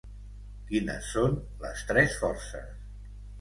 Quines són les tres forces?